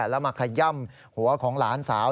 แล้วมาขย่ำหัวของหลานสาว